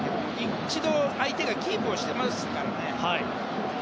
一度、相手がキープをしてますからね。